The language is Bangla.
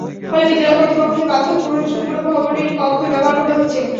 ফলে বিদ্যালয় কর্তৃপক্ষকে বাধ্য হয়ে পুরোনো ঝুঁকিপূর্ণ ভবনের কক্ষই ব্যবহার করতে হচ্ছে।